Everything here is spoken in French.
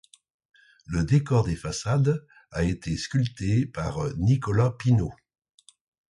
Le décor des façades a été sculpté par Nicolas Pineau.